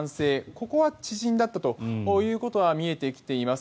ここは知人だったということは見えてきています。